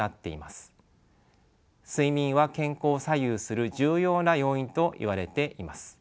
睡眠は健康を左右する重要な要因といわれています。